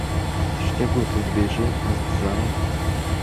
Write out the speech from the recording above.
Tiştê ku tu dibêjî ez dizanim.